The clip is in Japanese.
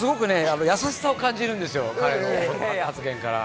優しさを感じるんですよ、彼の発言から。